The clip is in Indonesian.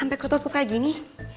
sampai kototku kayak gini